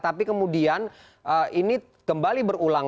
tapi kemudian ini kembali berulang